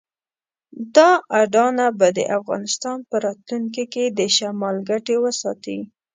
دا اډانه به د افغانستان په راتلونکي کې د شمال ګټې وساتي.